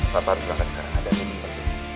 sarapan berangkat sekarang ada di kantor